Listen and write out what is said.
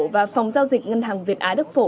và phòng giao dịch ngân hàng việt á đức phổ